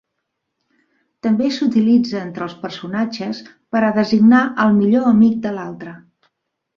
També s'utilitza entre els personatges per a designar al millor amic de l'altre.